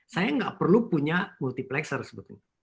saya nggak perlu punya multiplexer sebetulnya